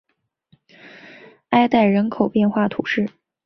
埃代人口变化图示